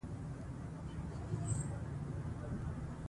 دوی تر هندیانو غښتلي وو.